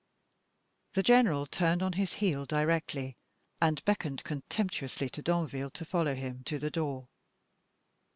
The general turned on his heel directly, and beckoned contemptuously to Danville to follow him to the door.